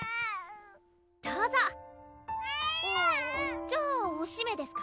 どうぞえるぅ！じゃあおしめですか？